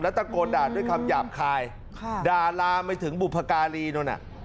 ตะโกนด่าด้วยคำหยาบคายด่าลามไปถึงบุพการีนู่นน่ะ